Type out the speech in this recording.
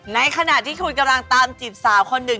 ในขณะที่คุณกำลังตามจีบสาวคนหนึ่ง